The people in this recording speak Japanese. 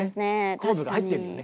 コードが入ってるよね